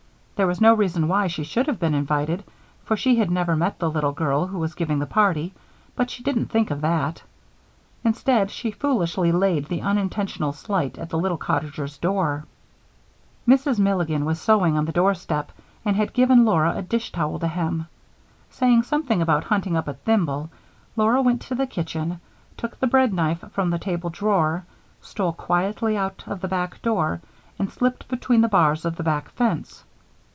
There was no reason why she should have been invited, for she had never met the little girl who was giving the party, but she didn't think of that. Instead, she foolishly laid the unintentional slight at the little cottagers' door. Mrs. Milligan was sewing on the doorstep and had given Laura a dish towel to hem. Saying something about hunting for a thimble, Laura went to the kitchen, took the bread knife from the table drawer, stole quietly out of the back door, and slipped between the bars of the back fence.